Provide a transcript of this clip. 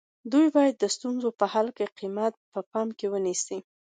دوی باید د ستونزو په حل کې قیمت په پام کې ونیسي.